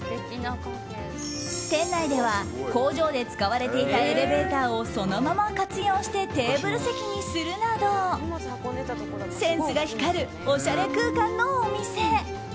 店内では、工場で使われていたエレベーターをそのまま活用してテーブル席にするなどセンスが光るおしゃれ空間のお店。